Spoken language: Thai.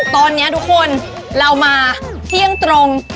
ตอนนี้ทุกคนเรามาเที่ยงตรง